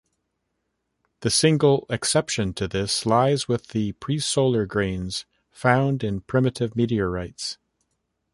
The single exception to this lies with the presolar grains found in primitive meteorites.